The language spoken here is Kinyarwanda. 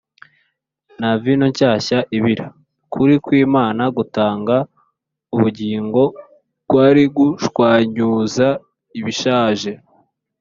nka vino nshyashya ibira, ukuri kw’imana gutanga ubugingo kwari gushwanyuza ibishaje,